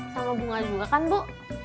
sama bunga juga kan bu